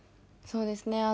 そうですね。